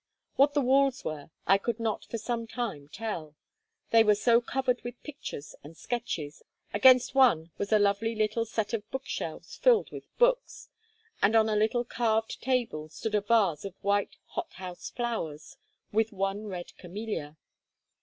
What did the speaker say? What the walls were I could not for some time tell, they were so covered with pictures and sketches; against one was a lovely little set of book shelves filled with books, and on a little carved table stood a vase of white hot house flowers, with one red camellia.